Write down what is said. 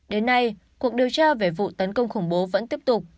đến nay cuộc điều tra về vụ tấn công khủng bố vẫn tiếp tục